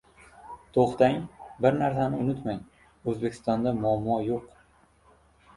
«To‘xtang! Bir narsani unutmang: O‘zbekistonda muammo yo‘q!»